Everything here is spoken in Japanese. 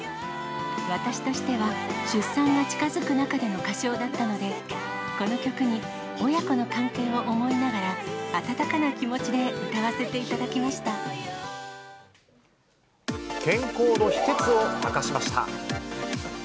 私としては、出産が近づく中での歌唱だったので、この曲に親子の関係を思いながら、温かな気持ちで歌わせていただき健康の秘けつを明かしました。